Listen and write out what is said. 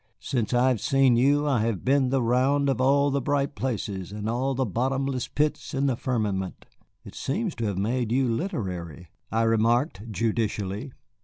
Since I have seen you I have been the round of all the bright places and all the bottomless pits in the firmament." "It seems to have made you literary," I remarked judicially.